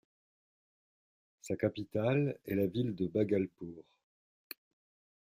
Sa capitale est la ville de Bhagalpur.